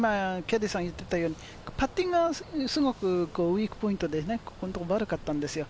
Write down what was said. このところ、キャディーさんが言っていたように、パッティングがすごくウイークポイントで悪かったんですよ。